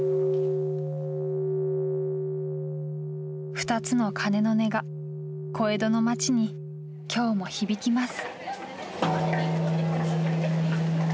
２つの鐘の音が小江戸の町に今日も響きます。